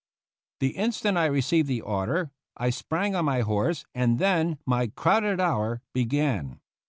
The instant I received the order I sprang on my horse and then my " crowded hour " began.